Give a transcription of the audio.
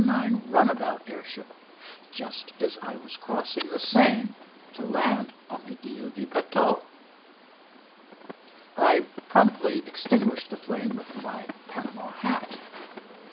9" runabout air ship just as I was crossing the Seine to land on the Ile de Puteaux. I promptly extinguished the flame with my Panama hat